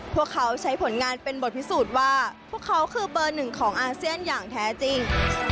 พวกเขาใช้ผลงานเป็นบทพิสูจน์ว่าพวกเขาคือเบอร์หนึ่งของอาเซียนอย่างแท้จริง